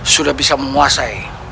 sudah bisa menguasai